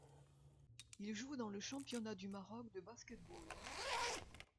Il joue dans le championnat du Maroc de basket-ball.